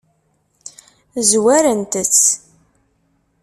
Zwarent-tt?